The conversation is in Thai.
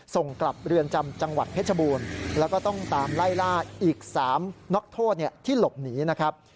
ส่งกลับเรือนจำจังหวัดเพชรบูรณ์แล้วก็ต้องตามไล่ล่าอีก๓นักโทษที่หลบหนีนะครับ